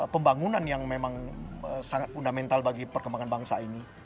pembangunan yang memang sangat fundamental bagi perkembangan bangsa ini